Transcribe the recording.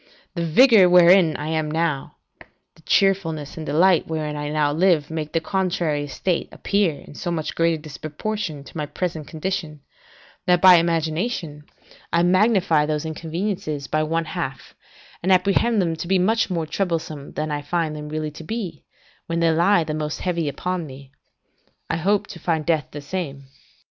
The vigour wherein I now am, the cheerfulness and delight wherein I now live, make the contrary estate appear in so great a disproportion to my present condition, that, by imagination, I magnify those inconveniences by one half, and apprehend them to be much more troublesome, than I find them really to be, when they lie the most heavy upon me; I hope to find death the same.